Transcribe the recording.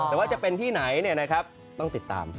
แต่ว่าจะเป็นที่ไหนเนี่ยนะครับต้องติดตาม